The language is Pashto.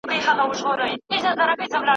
په مرکه کي د نجلۍ د کورنۍ ستاينه وسوه.